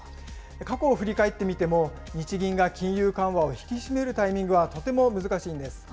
過去を振り返ってみても、日銀が金融緩和を引き締めるタイミングはとても難しいんです。